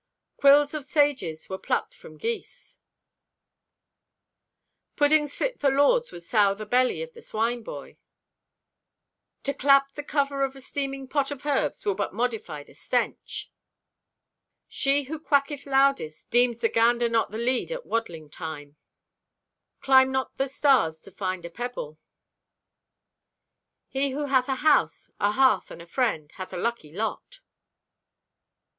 "Quills of sages were plucked from geese." "Puddings fit for lords would sour the belly of the swineboy." "To clap the cover on a steaming pot of herbs will but modify the stench." Footnote 1: A word of this degree of latinity is very rare with her. "She who quacketh loudest deems the gander not the lead at waddling time." "Climb not the stars to find a pebble." "He who hath a house, a hearth and a friend hath a lucky lot."